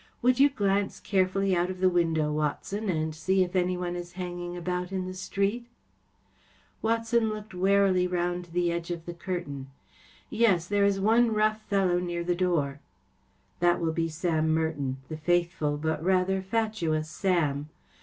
Would you glance carefully out of the window, Watson, and see if anyone is hanging about in the street ? ‚ÄĚ Watson looked warily round the edge of the curtain. “ Yes, there is one rough fellow near the door.‚ÄĚ ‚ÄĚ That will be Sam Merton‚ÄĒthe faithful but rather fatuous Sam.